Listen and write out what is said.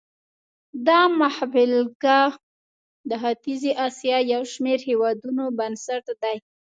دا مخبېلګه د ختیځې اسیا یو شمېر هېوادونو بنسټ دی.